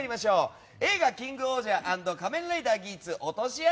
映画「キングオージャー」＆「仮面ライダーギーツ」落とし穴